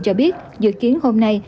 cho biết dự kiến hôm nay